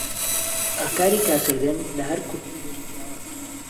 ئاکاری کارکردن لە هەر کولتوورێک جیاوازە.